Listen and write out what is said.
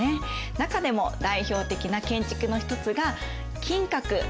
中でも代表的な建築の一つが金閣。